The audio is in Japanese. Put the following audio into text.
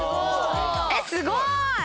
えっすごい！